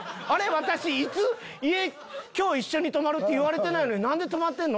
「私いつ今日一緒に泊まるって言われてないのに何で泊まってんの？」